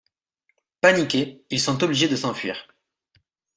Paniqués, ils sont obligés de s'enfuir.